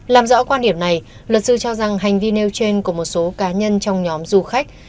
làm rõ quan điểm này luật sư cho rằng hành vi nêu trên của một số cá nhân trong nhóm du khách